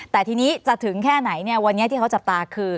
แต่ทีนี้จะถึงแค่ไหนเนี่ยวันนี้ที่เขาจับตาคือ